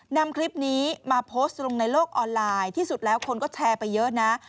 นำคลิปนี้มาโพสต์ลงในโลกออนไลน์ที่สุดแล้วคนก็แชร์ไปเยอะนะ